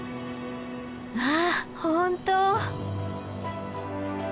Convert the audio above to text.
わあ本当！